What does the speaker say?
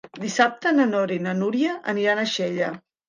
Dissabte na Nora i na Núria aniran a Xella.